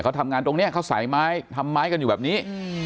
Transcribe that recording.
เขาทำงานตรงนี้เขาใส่ไม้ทำไม้กันอยู่แบบนี้